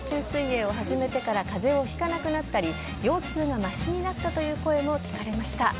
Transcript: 水泳を始めてからかぜをひかなくなったり、腰痛がましになったという声も聞かれました。